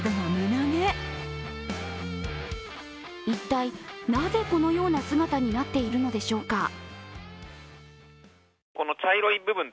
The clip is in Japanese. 一体なぜこのような姿になっているのでしょうか。